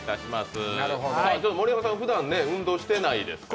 盛山さん、ふだん運動していないですからね。